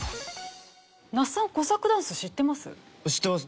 那須さんコサックダンス知ってます？